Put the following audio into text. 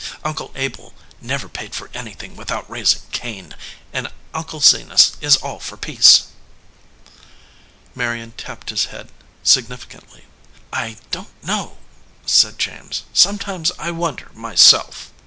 Uncle Abel never paid for anything without raising Cain, and Uncle Zenas is all for peace." Marion tapped his head significantly. "I don t know," said James. "Sometimes I wonder myself."